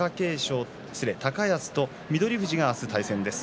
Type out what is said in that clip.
高安、翠富士が明日対戦です。